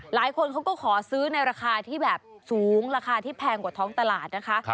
หลายคนเขาก็ขอซื้อในราคาที่แบบสูงราคาที่แพงกว่าท้องตลาดนะคะ